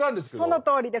そのとおりです。